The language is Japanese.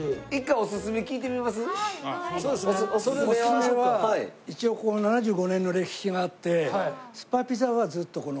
おすすめは一応ここ７５年の歴史があってスパピザはずっとこの。